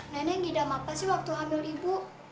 nenek ngidam apa sih waktu ambil ibu